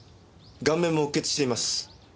顔面もうっ血しています。